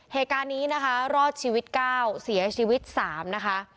เหตุการณ์นี้นะคะรอดชีวิต๙เสียชีวิต๓นะคะ